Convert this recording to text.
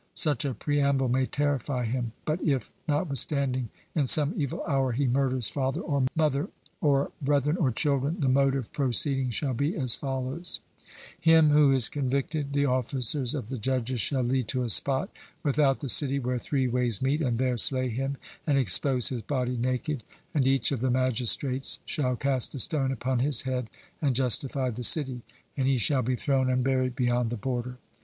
Such a preamble may terrify him; but if, notwithstanding, in some evil hour he murders father or mother or brethren or children, the mode of proceeding shall be as follows: Him who is convicted, the officers of the judges shall lead to a spot without the city where three ways meet, and there slay him and expose his body naked; and each of the magistrates shall cast a stone upon his head and justify the city, and he shall be thrown unburied beyond the border.